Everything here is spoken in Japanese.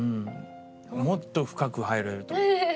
もっと深く入れると思う。